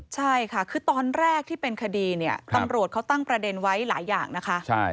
ใช่ค่ะคือตอนแรกที่เป็นคดีเนี่ยตำรวจเขาตั้งประเด็นไว้หลายอย่างนะคะ